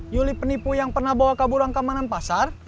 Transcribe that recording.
yuli penipu yang pernah bawa kabur angka manan pasar